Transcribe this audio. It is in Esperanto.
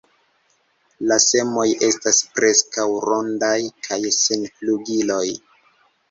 La semoj estas preskaŭ rondaj kaj sen flugiloj.